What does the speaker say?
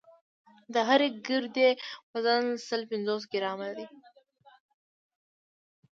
د هرې ګردې وزن سل پنځوس ګرامه دی.